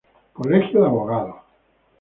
Colegio de Abogados.